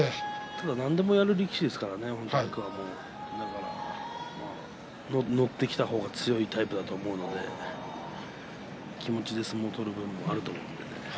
ただ、何でもやる力士ですからね、天空海は乗ってきた方が強いタイプだと思うので気持ちで相撲取る分あると思います。